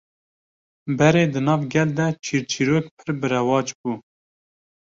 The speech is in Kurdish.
Berê di nav gel de çîrçîrok pir bi rewac bû